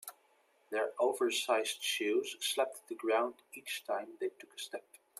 Their oversized shoes slapped the ground each time they took a step.